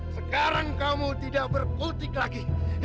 sekarang kamu tidak berpotik lagi